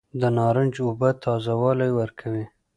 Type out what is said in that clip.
د نارنج اوبه تازه والی ورکوي.